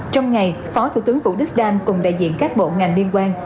trong ngày phó thủ tướng vũ đức đam cùng đại diện các bộ ngành liên quan